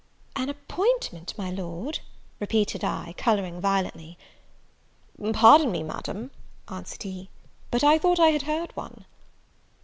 "An appointment, my Lord?" repeated I, colouring violently. "Pardon me, Madam," answered he, "but I thought I had heard one."